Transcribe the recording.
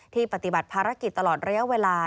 ปฏิบัติภารกิจตลอดระยะเวลา